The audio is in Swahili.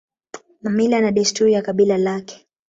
na mila na desturi ya kabila lake